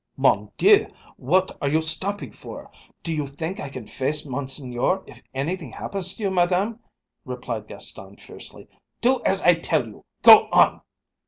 "Mon Dieu! What are you stopping for? Do you think I can face Monseigneur if anything happens to you, Madame?" replied Gaston fiercely. "Do as I tell you. Go on!"